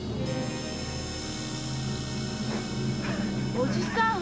おじさん？